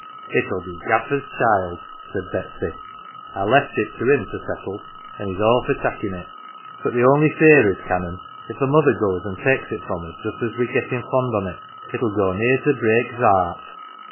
" If 11 be Gaffer's child," said Betsy. " I left it to him to settle, and he's all for takin' it. But the only fear is, Canon, if the mother goes and takes it from us just as we're gettin' fond on it, it'll go near to break's heart."